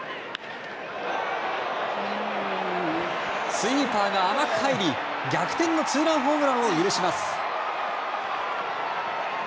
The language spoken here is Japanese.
スイーパーが甘く入り逆転のツーランホームランを許します。